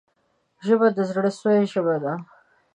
ژبه د زړه سوي ژبه ده